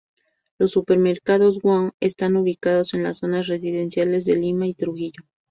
Los supermercados Wong están ubicados en las zonas residenciales de Lima y Trujillo.